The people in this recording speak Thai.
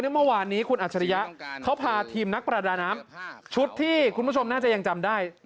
เมื่อวานนี้คุณอัจฉริยะเขาพาทีมนักประดาน้ำชุดที่คุณผู้ชมน่าจะยังจำได้